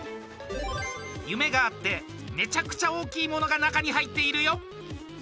夢があってめちゃくちゃ大きいものが中に入っているよ！